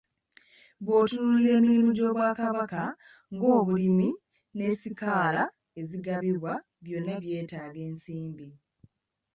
Bw'otunuulira emirimu gy'Obwakabaka nga obulimi ne ssikaala ezigabwa, byonna byetaaga ensimbi.